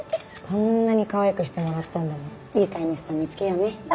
こんなにかわいくしてもらったんだもんいい飼い主さん見つけようね。